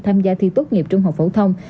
tham gia thi tốt nghiệp trung học phổ thông